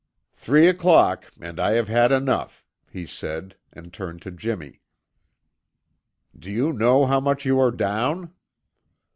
"Three o'clock and I have had enough," he said, and turned to Jimmy. "Do you know how much you are down?"